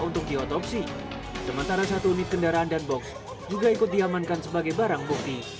untuk diotopsi sementara satu unit kendaraan dan box juga ikut diamankan sebagai barang bukti